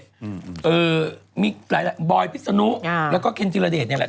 อือมีหลายหลายบอยพิศนุอ่าแล้วก็เคนทีลาเดชเนี่ยแหละ